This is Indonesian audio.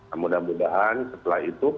semoga semoga setelah itu